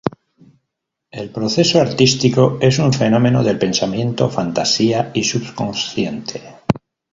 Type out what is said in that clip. El proceso artístico es un fenómeno del pensamiento, fantasía y subconsciente.